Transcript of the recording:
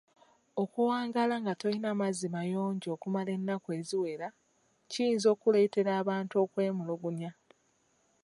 Okuwangaala nga tolina mazzi mayonjo okumala ennaku eziwera kiyinza okuleetera abantu okwemulugunya.